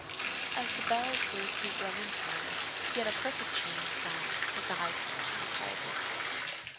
As the bells were to be rung in turn, he had a perfect chain of sound to guide him the entire distance.